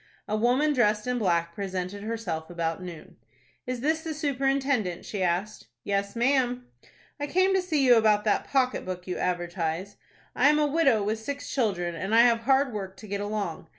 A woman dressed in black presented herself about noon. "Is this the superintendent?" she asked. "Yes, ma'am." "I came to see you about that pocket book you advertise. I am a widow with six children, and I have hard work to get along.